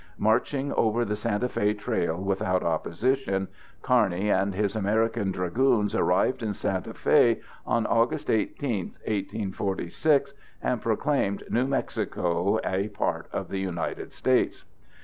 Marching over the Santa Fe Trail without opposition, Kearny and his American Dragoons arrived in Santa Fe on August 18, 1846, and proclaimed New Mexico a part of the United States.